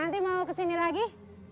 nanti mau kesini lagi